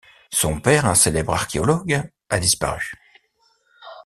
Son père, un célèbre archéologue, a disparu...